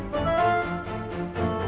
kau gak parkir